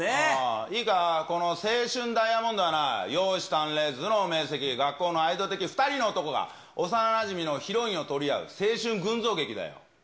この青春ダイヤモンドはな、容姿端麗、頭脳明晰、学校のアイドル的２人の男が、幼なじみのヒロインを取り合う、青春群像劇だよ。